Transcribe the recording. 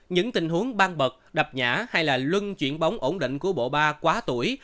những tình huống ban bật đập nhã hay là luân chuyển bóng ổn định của bộ ba quá tuổi